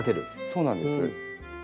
そうなんです。